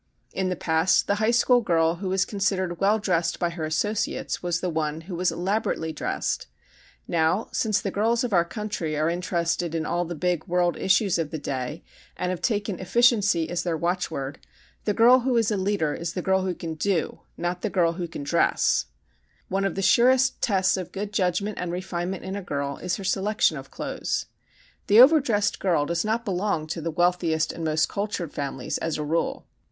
In the past the high school girl who was considered well dressed by her associates was the one who was elaborately dressed. Now, since the girls of our country are interested in all the big world issues of the day and have taken efficiency as their watchword the girl who is a leader is the girl who can do, not the girl who can dress. One of the surest tests of good judgment and refinement in a girl is her selection of clothes. The overdressed girl does not belong to the wealthiest and most cultured families as a rule.